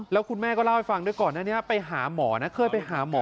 แล้วคุณแม่ก็เล่าให้ฟังด้วยก่อนหน้านี้ไปหาหมอนะเคยไปหาหมอ